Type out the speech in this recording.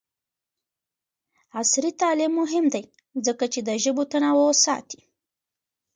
عصري تعلیم مهم دی ځکه چې د ژبو تنوع ساتي.